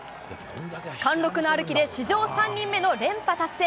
貫禄の歩きで、史上３人目の連覇達成。